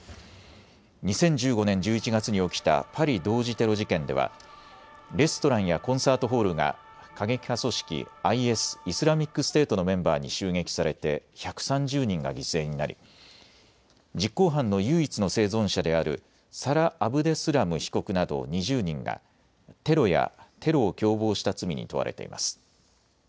２０１５年１１月に起きたパリ同時テロ事件ではレストランやコンサートホールが過激派組織ＩＳ・イスラミックステートのメンバーに襲撃されて１３０人が犠牲になり実行犯の唯一の生存者であるサラ・アブデスラム被告など２０人がテロやテロを共謀した罪に問われています。